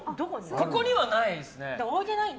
ここにはないですね。